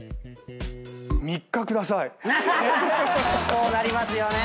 そうなりますよね。